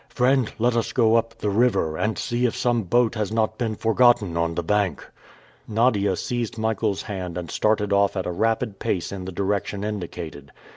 Friend, let us go up the river, and see if some boat has not been forgotten on the bank." Nadia seized Michael's hand and started off at a rapid pace in the direction indicated.